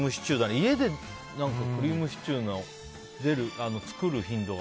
家でクリームシチューを作る頻度が。